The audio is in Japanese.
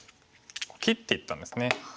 切っていったんですね。